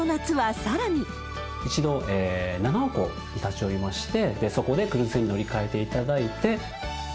一度、七尾港に立ち寄りまして、そこでクルーズ船に乗り換えていただいて。